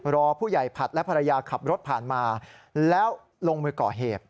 รอผู้ใหญ่ผัดและภรรยาขับรถผ่านมาแล้วลงมือก่อเหตุ